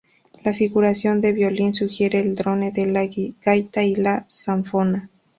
La figuración del violín sugiere el drone de la gaita o la zanfona.